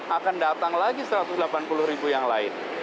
akan datang lagi satu ratus delapan puluh ribu yang lain